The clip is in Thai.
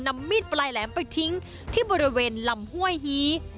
มีดปลายแหลมไปทิ้งที่บริเวณลำห้วยฮี